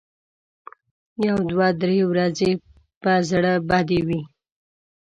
یو دوه درې ورځې به زړه بدې وي.